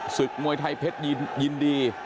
ศึกมวยไทยเพชรยินดี